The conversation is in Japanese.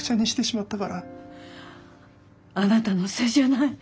あなたのせいじゃない。